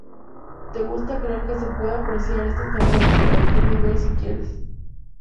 Te gusta creer que se puede apreciar estas canciones en cualquier nivel si quieres.